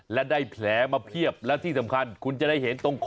และได้แผลมาเพียบและที่สำคัญคุณจะได้เห็นตรงคอ